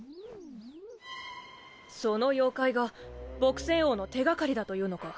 その妖怪が朴仙翁の手がかりだと言うのか。